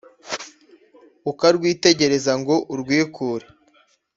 ukarwitegereza ngo urwikure.